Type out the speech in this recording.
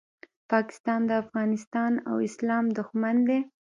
پاکستان د افغانستان او اسلام دوښمن دی